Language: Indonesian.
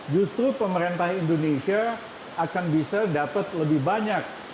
justru pemerintah indonesia akan bisa dapat lebih banyak